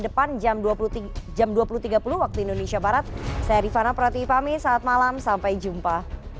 depan jam dua puluh tiga jam dua puluh tiga puluh waktu indonesia barat saya rifana pratipami saat malam sampai jumpa